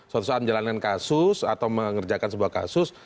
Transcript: suatu saat menjalankan kasus atau mengerjakan sebuah kasus